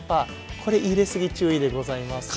これ入れ過ぎ注意でございます。